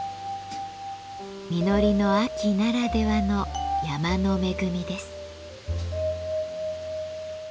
実りの秋ならではの山の恵みです。